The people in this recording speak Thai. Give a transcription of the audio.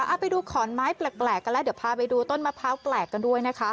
เอาไปดูขอนไม้แปลกกันแล้วเดี๋ยวพาไปดูต้นมะพร้าวแปลกกันด้วยนะคะ